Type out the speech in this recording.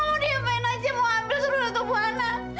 terserah mama mau diambil aja mau ambil seumur hidup anak